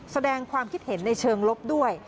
แสดงความคิดเห็นในเชิงลบด้วย